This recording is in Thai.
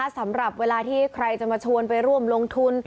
สำหรับเวลาที่ใครจะมาชวนไปร่วมลงทุน